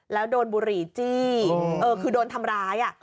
แล้วโดนบุหรี่จี้คือโดนทำร้าย